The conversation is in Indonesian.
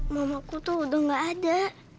mamaku tuh udah gak ada